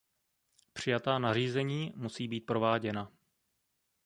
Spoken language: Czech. Přijatá nařízení, musí být prováděna.